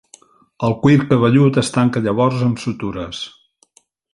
El cuir cabellut es tanca llavors amb sutures.